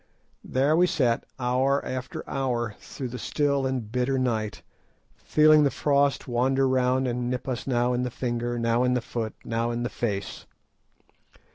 There we sat hour after hour through the still and bitter night, feeling the frost wander round and nip us now in the finger, now in the foot, now in the face.